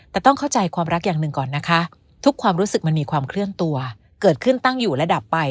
แต่ต้องเข้าใจความรักอย่างหนึ่งก่อนนะคะทุกความรู้สึกมันมีความเคลื่อนตัวเกิดขึ้นตั้งอยู่ระดับไป